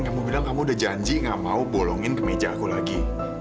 kamu bilang kamu udah janji gak mau bolongin ke meja aku lagi